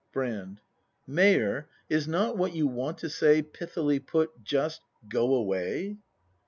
Brand. Mayor, is not what you want to say. Pithily put, just: "Go away"?